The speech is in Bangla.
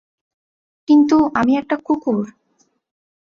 কিন্তু, আমি একটা কুকুর!